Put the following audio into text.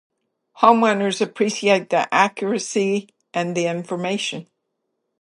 Homeowners appreciate the accuracy and the information.